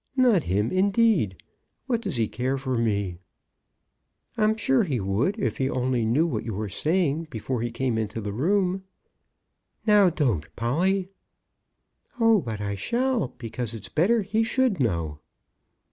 Not him, indeed. What does he care for me?" "I'm sure he would if he only knew what you were saying before he came into the room." "Now don't, Polly!" "Oh, but I shall! because it's better he should know."